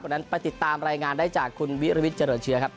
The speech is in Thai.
นั้นไปติดตามรายงานได้จากคุณวิรวิทย์เจริญเชื้อครับ